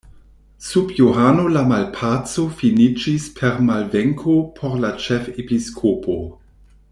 Sub Johano la malpaco finiĝis per malvenko por la ĉefepiskopo.